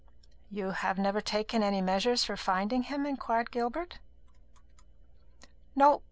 "You have never taken any measures for finding him?" inquired Gilbert. "No.